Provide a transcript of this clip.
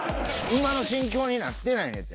馬の心境になってないねんて。